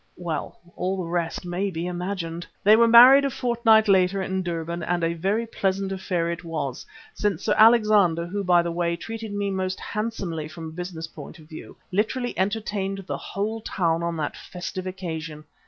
Well, all the rest may be imagined. They were married a fortnight later in Durban and a very pleasant affair it was, since Sir Alexander, who by the way, treated me most handsomely from a business point of view, literally entertained the whole town on that festive occasion.